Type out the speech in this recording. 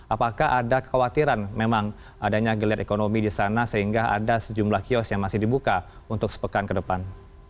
apakah ada kekhawatiran memang adanya geliat ekonomi di sana sehingga ada sejumlah kios yang masih dibuka untuk sepekan ke depan